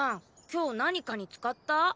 今日何かに使った？